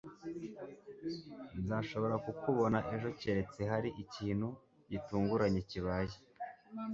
Nzashobora kukubona ejo keretse hari ikintu gitunguranye kibaye.